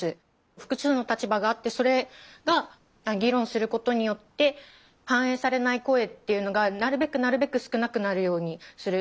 複数の立場があってそれが議論することによって反映されない声っていうのがなるべくなるべく少なくなるようにする。